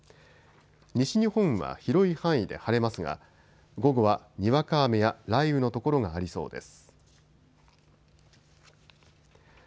西日本は広い範囲で晴れますが午後はにわか雨や雷雨の所がありそうです。